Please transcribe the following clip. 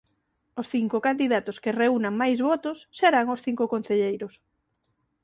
Os cinco candidatos que reúnan máis votos serán os cinco concelleiros.